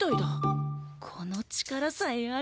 この力さえあれば。